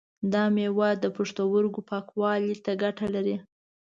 دا مېوه د پښتورګو پاکوالی ته ګټه لري.